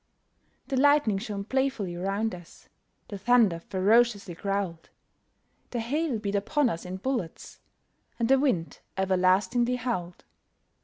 The lightning shone playfully round us; The thunder ferociously growled; The hail beat upon us in bullets; And the wind everlastingly howled.